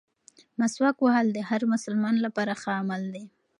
مسواک وهل د هر مسلمان لپاره ښه عمل دی.